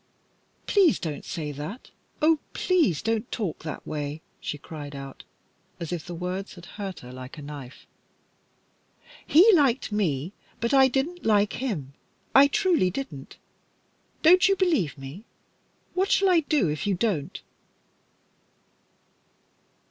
"Please don't say that. Oh, please don't talk that way!" she cried out, as if the words had hurt her like a knife. "He liked me, but I didn't like him. I truly didn't. Don't you believe me? What shall I do if you don't?"